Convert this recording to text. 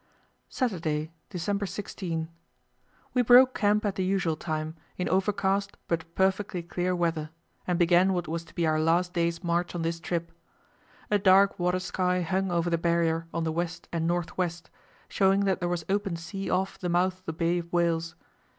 Saturday, December 16. We broke camp at the usual time, in overcast but perfectly clear weather, and began what was to be our last day's march on this trip. A dark water sky hung over the Barrier on the west and north west, showing that there was open sea off the mouth of the Bay of Whales.